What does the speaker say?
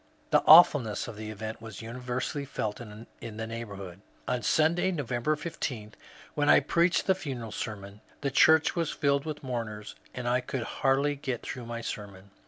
The awfulness of the event was universally felt in the neighbourhood. On Sunday, November 16, when I preached the funeral sermon, the church was filled with mourners, and I could hardly get through my sermon.